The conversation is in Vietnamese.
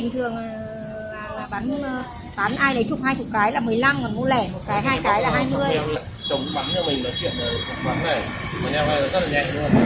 chúng bắn cho mình là chuyện bắn này mà nhau này rất là nhẹ